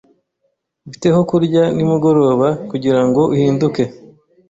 Bite ho kurya nimugoroba kugirango uhinduke?